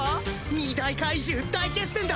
二大怪獣大決戦だ！